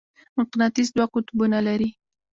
مقناطیس دوه قطبونه لري.